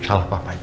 salah papa ini